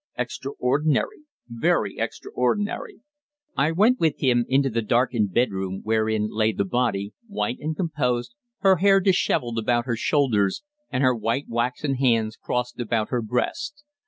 "Extraordinary very extraordinary!" I went with him into the darkened bedroom wherein lay the body, white and composed, her hair dishevelled about her shoulders, and her white waxen hands crossed about her breast.